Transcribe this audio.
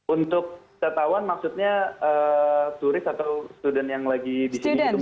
untuk setawan maksudnya turis atau student yang lagi di sini gitu